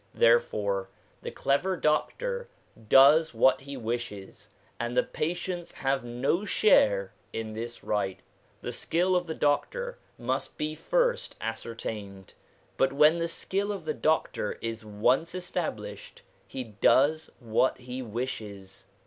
There fore the clever doctor ' does what he wishes/ and the patients have no share in this right. The skill of the doctor must be first ascertained ; but when the skill of the doctor is once established, ' he does what he wishes.'